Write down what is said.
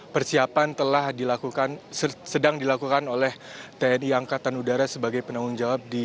persiapan telah dilakukan sedang dilakukan oleh tni angkatan udara sebagai penanggung jawab